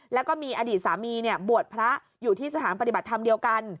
แล้วก็มีอดีตสามีบวชพระอยู่ที่สถานปฏิบัติธรรมเดียวกัน